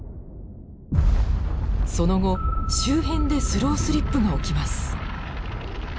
その後周辺でスロースリップが起きます。